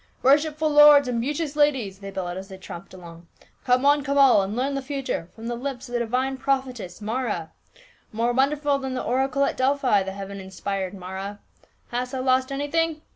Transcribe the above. "Worshipful lords and beauteous ladies !" they bel lowed as they tramped along. " Come one, come all, and learn the future from the lips of the dixine proph etess Mara! More wonderful than the oracle at Delphi, the heaven inspired Mara! Hast thou lost anything?